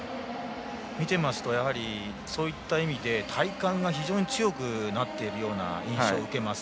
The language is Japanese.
見ていますとそういった意味で体幹が非常に強くなっているような印象を受けます。